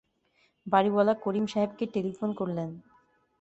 বাড়িওয়ালা করিম সাহেবকে টেলিফোন করলেন।